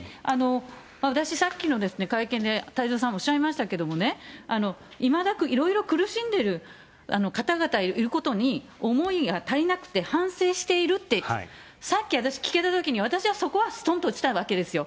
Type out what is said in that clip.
私、さっきの会見で太蔵さんもおっしゃいましたけれどもね、いまだ、いろいろ苦しんでいる方々いることに思いが足りなくて、反省しているって、さっき私、聞けたときに、私はそこはすとんと落ちたわけですよ。